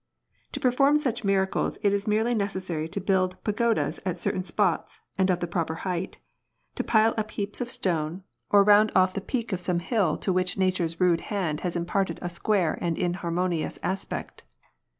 To perform such miracles it is merely necessary to build pagodas at certain spots and of the proper height, to pile up a heap of stones, 144 fAnG SHUI. or round off the peak of some hill to which nature's rude hand has imparted a square and inharmonious aspect.